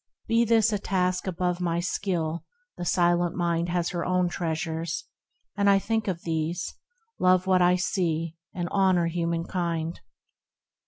Be this A task above my skill — the silent mind Has her own treasures, and I think of these, Love what I see, and honour humankind.